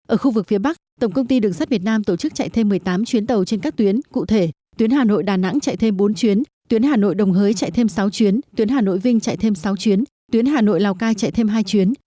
ở khu vực phía bắc tổng công ty đường sắt việt nam tổ chức chạy thêm một mươi tám chuyến tàu trên các tuyến cụ thể tuyến hà nội đà nẵng chạy thêm bốn chuyến tuyến hà nội đồng hới chạy thêm sáu chuyến tuyến hà nội vinh chạy thêm sáu chuyến tuyến hà nội lào cai chạy thêm hai chuyến